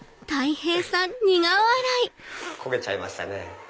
結構焦げちゃいましたね。